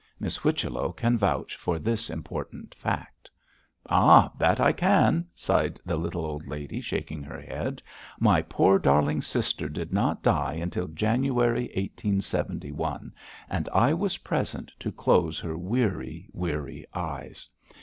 Miss Whichello can vouch for this important fact!' 'Ah! that I can,' sighed the little old lady, shaking her head. 'My poor darling sister did not die until January 1871, and I was present to close her weary weary eyes.